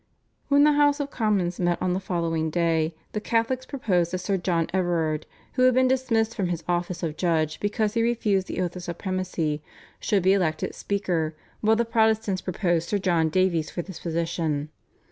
When the House of Commons met on the following day the Catholics proposed that Sir John Everard, who had been dismissed from his office of judge because he refused the oath of supremacy, should be elected speaker, while the Protestants proposed Sir John Davies for this position.